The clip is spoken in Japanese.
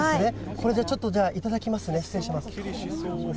これ、じゃあちょっと、頂きますね、失礼します。